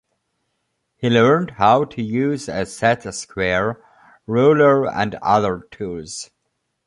He learned how to use a set square, ruler and other tools.